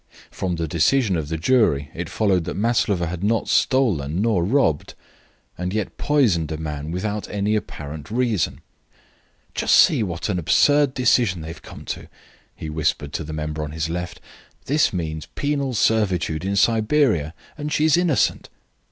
From the decision of the jury it followed that Maslova had not stolen, nor robbed, and yet poisoned a man without any apparent reason. "Just see what an absurd decision they have come to," he whispered to the member on his left. "This means penal servitude in Siberia, and she is innocent."